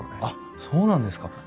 あっそうなんですか。